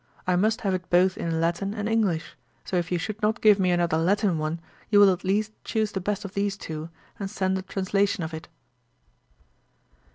I must have it both in Latin and English; so if you should not give me another Latin one, you will at least choose the best of these two, and send a translation of it.'